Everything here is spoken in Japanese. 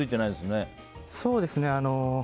そうですね。